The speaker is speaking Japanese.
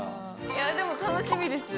いでも楽しみです。